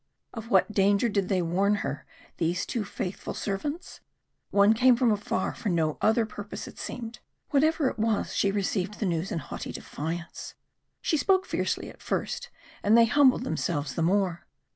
Of what danger did they warn her, these two faithful servants? One came from afar for no other purpose, it seemed. Whatever it was she received the news in haughty defiance. She spoke fiercely at first, and they humbled themselves the more.